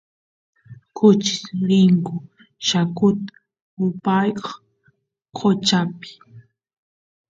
kuchis rinku yakut upyaq qochapi